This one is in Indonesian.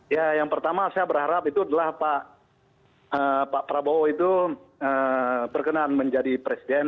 ya yang pertama saya berharap itu adalah pak prabowo itu berkenan menjadi presiden